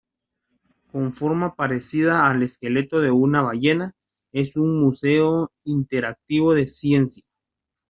Con forma parecida al esqueleto de una ballena, es un museo interactivo de ciencia.